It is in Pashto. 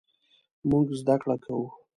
مونږ زده کړه کوو